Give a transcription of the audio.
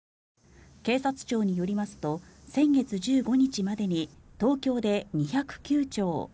警察庁によりますと先月１５日までに東京で２０９丁